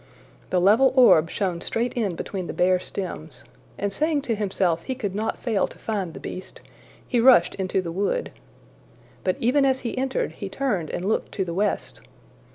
The level orb shone straight in between the bare stems, and saying to himself he could not fail to find the beast, he rushed into the wood. But even as he entered, he turned and looked to the west.